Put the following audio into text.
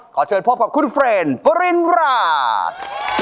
ขอเชิญพบกับคุณเฟรนปริณราช